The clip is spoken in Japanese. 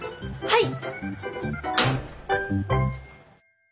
はい！